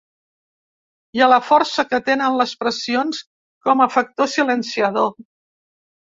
I la força que tenen les pressions com a factor silenciador.